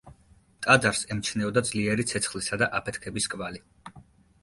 ტაძარს ემჩნეოდა ძლიერი ცეცხლისა და აფეთქების კვალი.